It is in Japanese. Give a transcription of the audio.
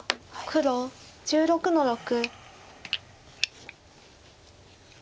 黒１６の六。